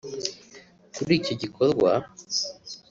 Kuri icyo gikorwa